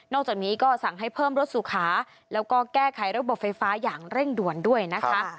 จากนี้ก็สั่งให้เพิ่มรถสุขาแล้วก็แก้ไขระบบไฟฟ้าอย่างเร่งด่วนด้วยนะคะ